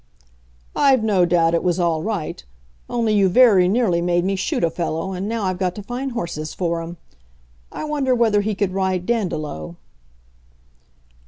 "I've no doubt it was all right; only you very nearly made me shoot a fellow, and now I've got to find horses for him. I wonder whether he could ride Dandolo?"